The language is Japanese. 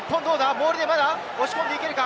モールでまだ押し込んでいけるか？